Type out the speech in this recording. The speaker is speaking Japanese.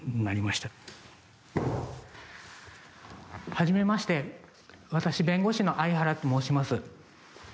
はじめまして私弁護士の相原と申します。